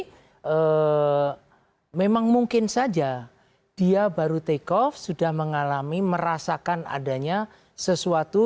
jadi memang mungkin saja dia baru take off sudah mengalami merasakan adanya sesuatu